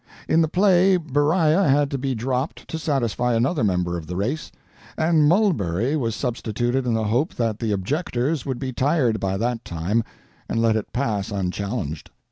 In the play Beriah had to be dropped to satisfy another member of the race, and Mulberry was substituted in the hope that the objectors would be tired by that time and let it pass unchallenged.